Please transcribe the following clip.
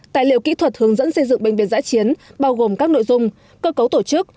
tài liệu kỹ thuật hướng dẫn xây dựng bệnh viện giã chiến bao gồm các nội dung cơ cấu tổ chức